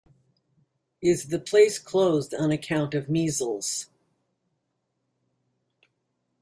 Is the place closed on account of measles?